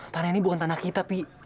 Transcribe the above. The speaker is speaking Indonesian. tanah ini bukan tanah kita tapi